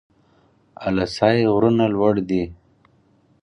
اله سای غرونه لوړ دي؟